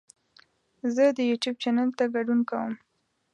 زه د یوټیوب چینل ته ګډون کوم.